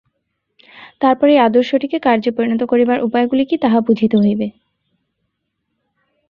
তারপর এই আদর্শটিকে কার্যে পরিণত করিবার উপায়গুলি কি, তাহা বুঝিতে হইবে।